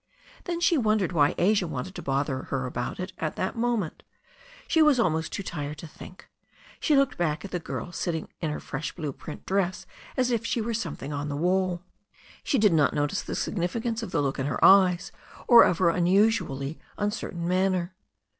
Then she wondered why Asia wanted to bother her about it at that moment. She was almost too tired to think. She looked back at the girl sitting in her fresh blue print dress as if she were something on the wall. She did not notice the significance of the look in her eyes or of her unusually uncertain manner.